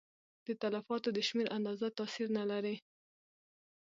د تلفاتو د شمېر اندازه تاثیر نه لري.